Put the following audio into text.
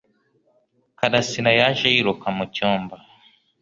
Karasira yaje yiruka mu cyumba.